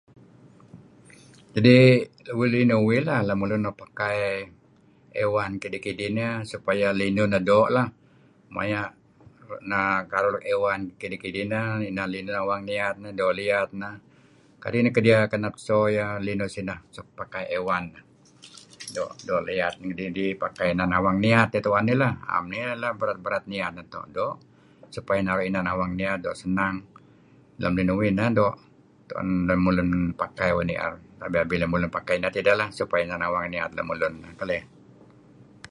Inih linuh uih ley lemlun nuk pakai A One kidih-kidih nah supaya linuh nah doo' lah maya karuh A1One kidih-kidih nah may inan linuh aang niat narih peliat nah kadi' nah kanep so linuh sineh pahai A One. Doo' liat ngidih pakai ngen aang niat tuen idih lah. 'Am iyeh bert-berat niat neto' supaya naru' awang niat doo' senang. Nah lem linuh uih lemulun pakai uih nier labih lemulun pakai inah lah supaya awang niat lemulun. Keleh.